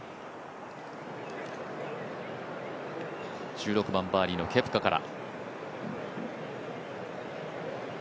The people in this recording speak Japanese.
１６番バーディーのケプカから。